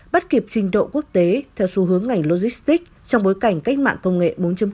bắt kịp trình độ quốc tế theo xu hướng ngành logistics trong bối cảnh cách mạng công nghệ bốn